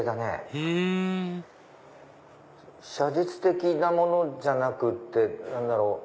へぇ写実的なものじゃなくて何だろう。